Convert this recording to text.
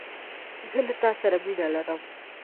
زه له تا سره مینه لرم